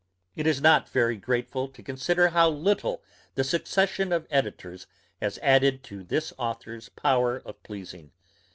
It is not very grateful to consider how little the succession of editors has added to this authour's power of pleasing.